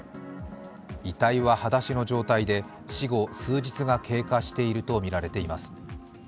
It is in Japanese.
遺体ははだしの状態で、死後数日が経過しているとみられています。